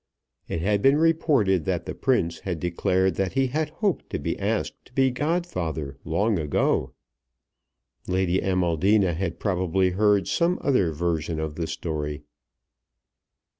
It had been reported that the Prince had declared that he had hoped to be asked to be godfather long ago. Lady Amaldina had probably heard some other version of the story.